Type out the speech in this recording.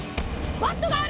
バットがある！